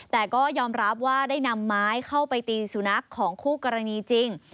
แต่ก็ยอมรับว่าได้นำไม้เข้าไปตีสุนัขของคู่กรณีจริง